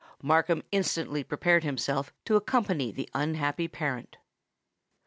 Markham instantly prepared himself to accompany the unhappy parent.